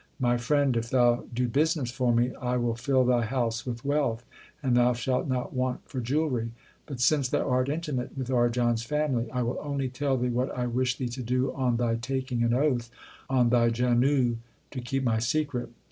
My friend, if thou do business for me, I will fill thy house with wealth, and thou shalt not want for jewellery. But since thou art intimate with Arjan s family, I will only tell thee what I wish thee to do on thy taking an oath on thy janeu to keep my secret.